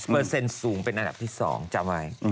เปอร์เซ็นต์สูงเป็นอันดับที่สองจำไว้